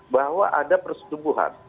bahwa ada persetubuhan